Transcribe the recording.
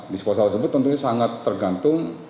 disposal tersebut tentunya sangat tergantung